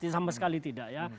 sama sekali tidak ya